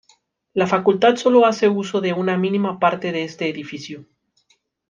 La facultad solo hace uso de una mínima parte de este edificio.